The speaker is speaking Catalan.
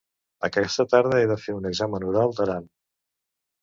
Aquesta tarda he de fer un examen oral d'aran